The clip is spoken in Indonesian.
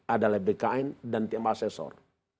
adalah bkn dan tim asesor